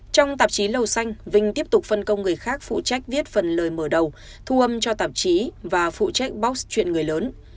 trong tạp chí lầu xanh vinh tiếp tục phân công người khác phụ trách viết phần lời mở đầu thu âm cho tạp chí và phụ trách box chuyện người lớn